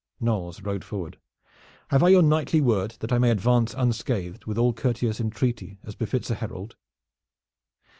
Knolles rode forward. "Have I your knightly word that I may advance unscathed with all courteous entreaty as befits a herald?"